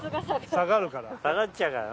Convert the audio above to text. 下がるから。